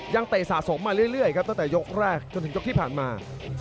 เตะสะสมมาเรื่อยครับตั้งแต่ยกแรกจนถึงยกที่ผ่านมา